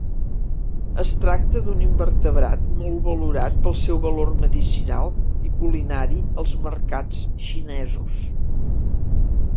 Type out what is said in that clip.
Es tracta d'un invertebrat molt valorat pel seu valor medicinal i culinari als mercats xinesos.